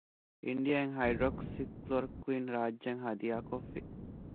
އިންޑިއާއިން ހައިޑްރޮކްސިކްލޮރޮކުއިން ރާއްޖެއަށް ހަދިޔާކޮށްފި